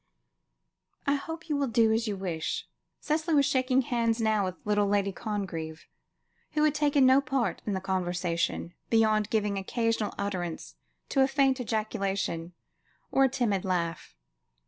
"I hope you will do as you wish." Cicely was shaking hands now with little Lady Congreve, who had taken no part in the conversation, beyond giving occasional utterance to a faint ejaculation, or a timid laugh.